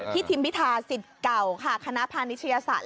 พี่ทิมพิทาสิทธิ์เก่าคณะพาลนิชยศาสตร์